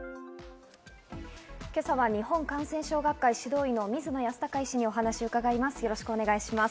今朝は日本感染症学会・指導医の水野泰孝医師にお話を伺います。